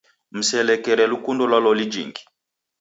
Mselekere lukundo lwa loli jhingi.